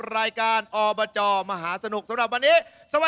ได้แล้ว